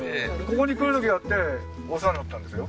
ここに来る時だってお世話になったんですよ。